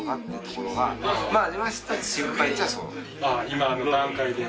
今の段階で。